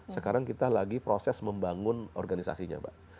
sekarang kita lagi proses membangun organisasinya mbak